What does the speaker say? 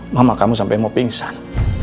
mama kamu sampai mau pingsan